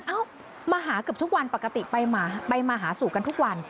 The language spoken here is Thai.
เอ้ามาหาเกือบทุกวันปกติไปมาหาสู่กันทุกวัน